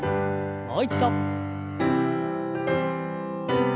もう一度。